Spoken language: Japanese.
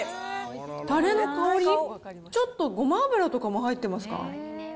たれの香り、ちょっとごま油とかも入ってますか？